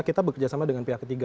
kita bekerja sama dengan pihak ketiga